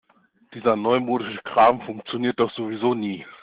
Dieser neumodische Kram funktioniert doch sowieso nie.